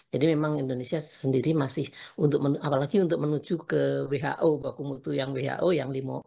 jadi memang indonesia sendiri masih apalagi untuk menuju ke who baku mutu yang who yang lima puluh lima